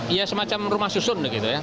ya semacam rumah susun gitu ya